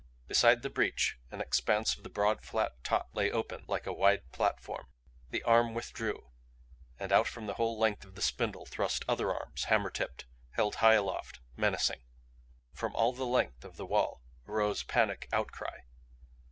Beside the breach an expanse of the broad flat top lay open like a wide platform. The arm withdrew, and out from the whole length of the spindle thrust other arms, hammer tipped, held high aloft, menacing. From all the length of the wall arose panic outcry.